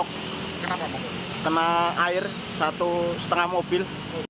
kena air satu setengah mobil